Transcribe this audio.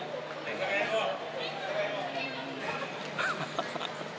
ハハハハ。